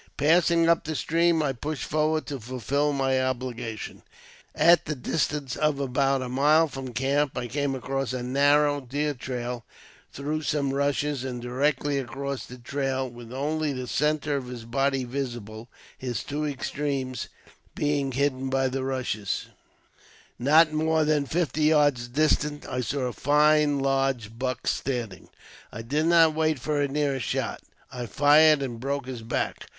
Passing up the stream, I pushed forward to fulfil my obli gation. At the distance of about a mile from the camp I came across a narrow deer trail through some rushes, and directly across the trail, with only the centre of his body visible (his two extremities being hidden by the rushes), not more than fifty yards distant, I saw a fine large buck standing. I did not wait for a nearer shot. I fired, and broke his back.